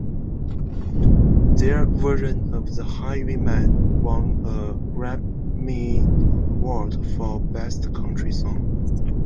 Their version of "The Highwayman" won a Grammy Award for Best Country Song.